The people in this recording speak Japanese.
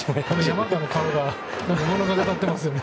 山川の顔が物語っていましたね。